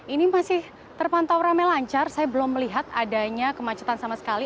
ini masih terpantau ramai lancar saya belum melihat adanya kemacetan sama sekali